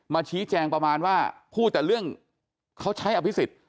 ชี้แจงประมาณว่าพูดแต่เรื่องเขาใช้อภิษฎ